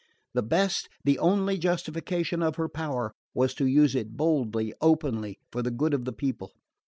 The best, the only justification of her power, was to use it boldly, openly, for the good of the people.